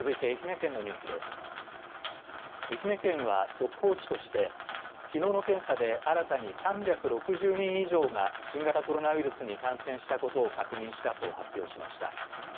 愛媛県は速報値としてきのうの検査で新たに３６０人以上が新型コロナウイルスに感染したことを確認したと発表しました。